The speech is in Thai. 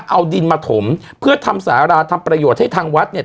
เอาดินมาถมเพื่อทำสาราทำประโยชน์ให้ทางวัดเนี่ย